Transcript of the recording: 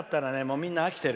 みんな飽きてる。